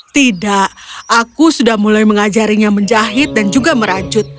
tidak aku sudah mulai mengajarinya menjahit dan juga merajut